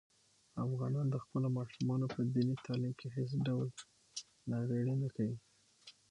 افغانان د خپلو ماشومانو په دیني تعلیم کې هېڅ ډول ناغېړي نه کوي.